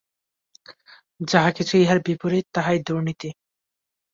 যাহা কিছু ইহার বিপরীত, তাহাই দুর্নীতি।